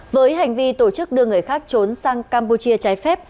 với hành vi tổ chức đưa người khác trốn sang campuchia trái phép